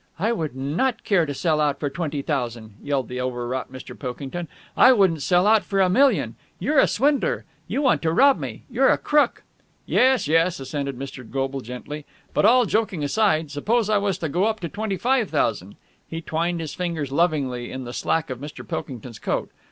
"I would not care to sell out for twenty thousand!" yelled the overwrought Mr. Pilkington. "I wouldn't sell out for a million! You're a swindler! You want to rob me! You're a crook!" "Yes, yes," assented Mr. Goble gently. "But, all joking aside, suppose I was to go up to twenty five thousand...?" He twined his fingers lovingly in the slack of Mr. Pilkington's coat.